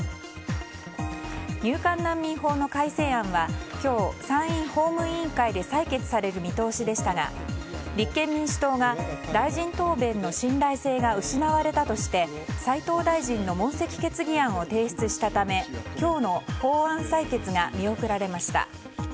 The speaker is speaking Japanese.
入管難民法の改正案は今日、参院法務委員会で採決される見通しでしたが立憲民主党が大臣答弁の信頼性が失われたとして齋藤大臣の問責決議案を提出したため今日の法案採決が見送られました。